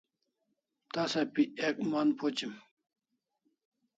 Tasa pi ek mon phuchim